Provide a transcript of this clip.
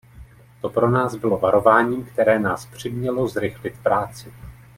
To pro nás bylo varováním, které nás přimělo zrychlit práci.